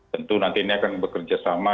tentu nanti ini akan bekerja sama